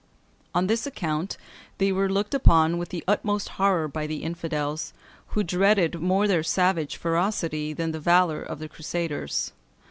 On this account they were looked upon with the utmost horror by the infidels, who dreaded more their savage ferocity than the valour of the Crusaders.